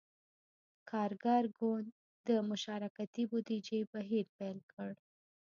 کارګر ګوند د »مشارکتي بودیجې« بهیر پیل کړ.